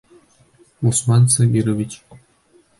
Усман Сабирович!..